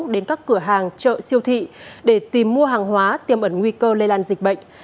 đến các cửa hàng chợ siêu thị để tìm mua hàng hóa tiêm ẩn nguy cơ lây lan dịch bệnh